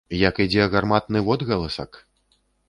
Як ідзе гарматны водгаласак?